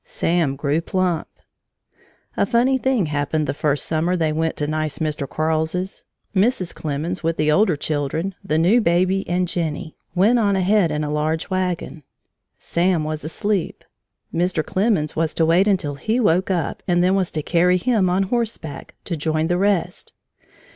Sam grew plump. A funny thing happened the first summer they went to nice Mr. Quarles's. Mrs. Clemens, with the older children, the new baby, and Jennie, went on ahead in a large wagon. Sam was asleep. Mr. Clemens was to wait until he woke up and then was to carry him on horseback, to join the rest.